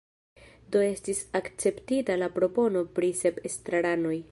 Do estis akceptita la propono pri sep estraranoj.